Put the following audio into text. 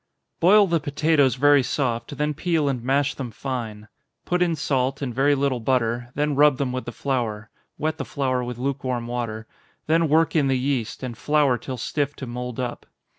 _ Boil the potatoes very soft, then peel and mash them fine. Put in salt, and very little butter then rub them with the flour wet the flour with lukewarm water then work in the yeast, and flour till stiff to mould up.